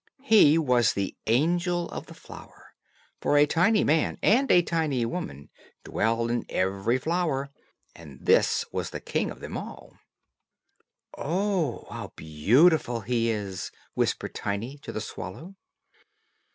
He was the angel of the flower; for a tiny man and a tiny woman dwell in every flower; and this was the king of them all. "Oh, how beautiful he is!" whispered Tiny to the swallow.